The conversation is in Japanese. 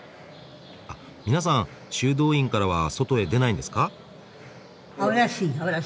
皆さん修道院からは外へ出ないんですか？